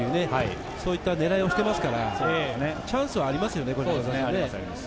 そういった狙いをしていますから、チャンスはありますよね。